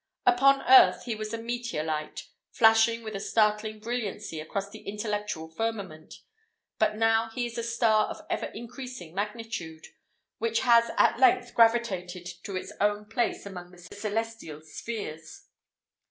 Upon earth he was a meteor light, flashing with a startling brilliancy across the intellectual firmament; but now he is a star of ever increasing magnitude, which has at length gravitated to its own place among the celestial spheres.